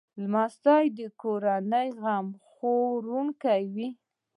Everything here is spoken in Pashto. لمسی د کورنۍ غم خوړونکی وي.